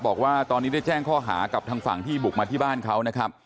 บอกว่าตอนนี้ได้แจ้งข้อหากับทางฝั่งที่บุกมาที่บ้านเขานะครับ